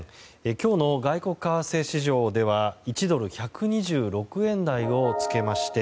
今日の外国為替市場では１ドル＝１２６円台をつけまして